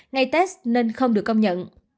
ngày test nên không được công nhận